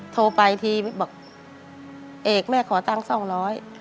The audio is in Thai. โทรไปทีบอกเอกแม่ขอตั้ง๒๐๐บาท